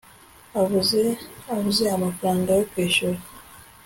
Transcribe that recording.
abuze abuze amafaranga yo kwishyura